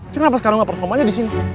kenapa sekarang ga performanya disini